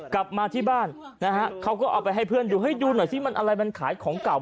กลับมาที่บ้านนะฮะเขาก็เอาไปให้เพื่อนดูเฮ้ยดูหน่อยซิมันอะไรมันขายของเก่า